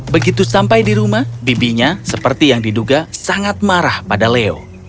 begitu sampai di rumah bibinya seperti yang diduga sangat marah pada leo